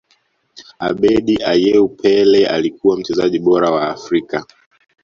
abedi ayew pele alikuwa mchezaji bora wa afrika